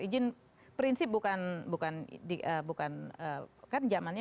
izin prinsip bukan bukan bukan kan zamannya bukan zamannya